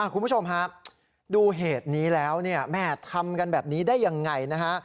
คุณผู้ชมครับดูเหตุนี้แล้วเนี่ยแม่ทำกันแบบนี้ได้ยังไงนะฮะ